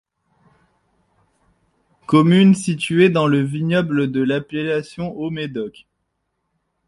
Commune située dans le vignoble de l’appellation haut-médoc.